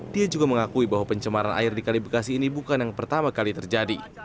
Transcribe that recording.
dia juga mengakui bahwa pencemaran air di kali bekasi ini bukan yang pertama kali terjadi